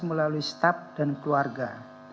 melalui staff dan keluarga